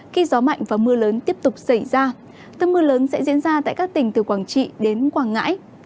khi gió mạnh và mưa lớn tiếp tục xảy ra tâm mưa lớn sẽ diễn ra tại các tỉnh từ quảng trị đến quảng ngãi